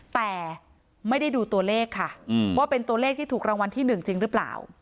แต่ไม่ได้ดูตัวเลขค่ะว่าเป็นตัวเลขที่ถูกรางวัลที่๑จริงหรือเปล่า